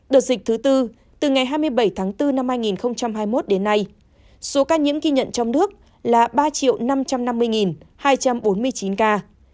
đợt dịch thứ tư từ ngày hai mươi bảy tháng bốn năm hai nghìn hai mươi một đến nay số ca nhiễm ghi nhận trong nước là ba năm trăm năm mươi hai trăm bốn mươi chín ca